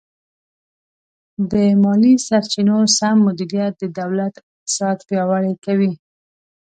د مالي سرچینو سم مدیریت د دولت اقتصاد پیاوړی کوي.